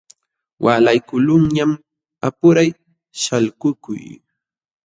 Waalaykuqlunñam apuray shalkukuy.